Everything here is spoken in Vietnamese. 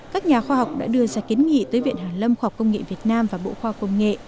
các nhà khoa học đã đưa ra kiến nghị tới viện hàn lâm khoa học công nghệ việt nam và bộ khoa công nghệ